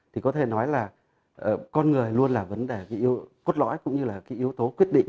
thì có thể nói là con người luôn là vấn đề ví dụ cốt lõi cũng như là cái yếu tố quyết định